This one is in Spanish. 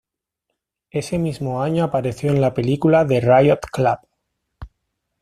Ese mismo año apareció en la película "The Riot Club".